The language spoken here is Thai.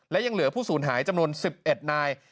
และยังเหลือผู้สูญหายจำนวน๑๑นาย